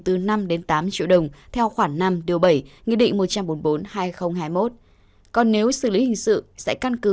từ năm đến tám triệu đồng theo khoảng năm điều bảy nghị định một trăm bốn mươi bốn hai nghìn hai mươi một còn nếu xử lý hình sự sẽ căn cứ